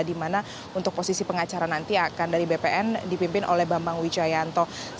di mana untuk posisi pengacara nanti akan dari bpn dipimpin oleh bambang wicayanto